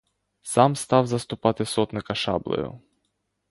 Сам став заступати сотника шаблею.